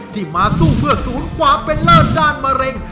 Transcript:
ที่มาสู้เพื่อศูนย์ความเป็นเลิศด้านมะเร็ง